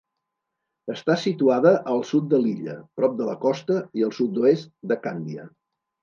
Està situada al sud de l'illa, prop de la costa, i al sud-oest de Càndia.